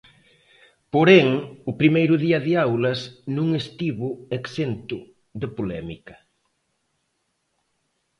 Porén, o primeiro día de aulas non estivo exento de polémica.